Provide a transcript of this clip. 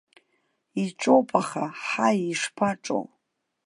Иҿоуп, аха, ҳаи, ишԥаҿоу!